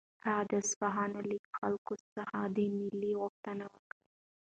هغه د اصفهان له خلکو څخه د مالیې غوښتنه وکړه.